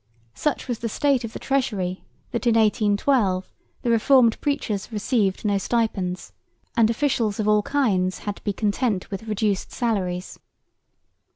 Such was the state of the treasury that in 1812 the reformed preachers received no stipends, and officials of all kinds had to be content with reduced salaries.